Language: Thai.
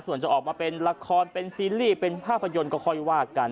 ส่วนจะออกมาเป็นละครเป็นซีรีส์เป็นภาพยนตร์ก็ค่อยว่ากัน